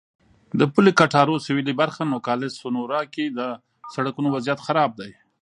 د پولې کټارو سوېلي برخه نوګالس سونورا کې د سړکونو وضعیت خراب دی.